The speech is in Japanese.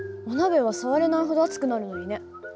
お鍋は触れないほど熱くなるのにね。